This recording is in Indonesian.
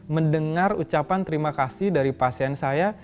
mendengar ucapan terima kasih dari pasien saya